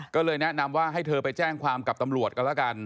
ก็เลยแนะนำว่าให้เธอไปแจ้งความกับตำรวจกันแล้วกัน